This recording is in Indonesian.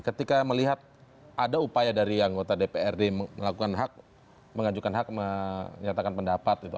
ketika melihat ada upaya dari anggota dprd melakukan hak mengajukan hak menyatakan pendapat gitu